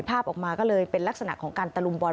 ภาพออกมาก็เลยเป็นลักษณะของการตะลุมบอล